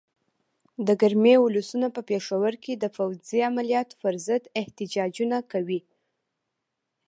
د کرمې ولسونه په پېښور کې د فوځي عملیاتو پر ضد احتجاجونه کوي.